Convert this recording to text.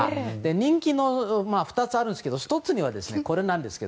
人気の理由は２つあるんですけど１つには、これなんです。